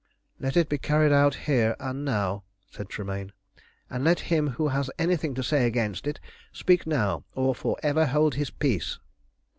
_] "Let it be carried out here, and now," said Tremayne, "and let him who has anything to say against it speak now, or for ever hold his peace."